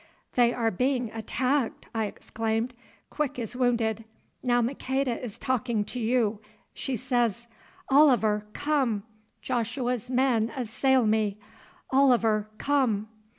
"They are being attacked!" I exclaimed. "Quick is wounded. Now Maqueda is talking to you. She says, 'Oliver, come! Joshua's men assail me. Oliver, come!